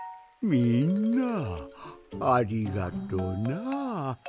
みんなありがとな。